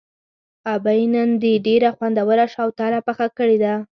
ابۍ نن دې ډېره خوندوره شوتله پخه کړې ده.